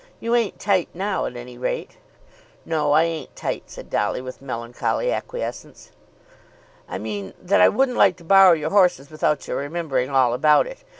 You ain't tight now, at any rate." "No; I ain't tight," said Dolly, with melancholy acquiescence. "I mean that I wouldn't like to borrow your horses without your remembering all about it.